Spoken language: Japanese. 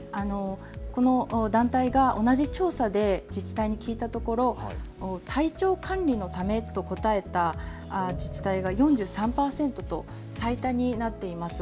この団体が同じ調査で自治体に聞いたところ体調管理のためと答えた自治体が４３％と最多になっています。